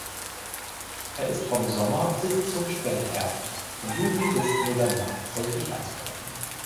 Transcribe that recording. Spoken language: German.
Er ist vom Sommer bis zum Spätherbst, von Juli bis November häufig anzutreffen.